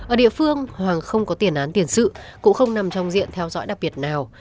ở địa phương hoàng không có tiền án tiền sự cũng không nằm trong diện theo dõi đặc biệt nào